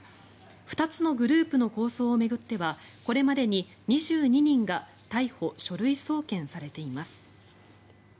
２つのグループの抗争を巡ってはこれまでに２２人が逮捕・書類送検されています。